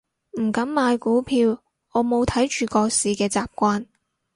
唔敢買股票，我冇睇住個市嘅習慣